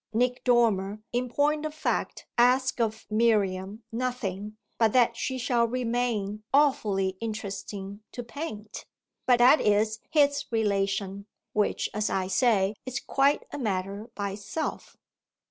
Nick Dormer in point of fact asks of Miriam nothing but that she shall remain "awfully interesting to paint"; but that is his relation, which, as I say, is quite a matter by itself.